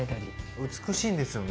美しいんですよね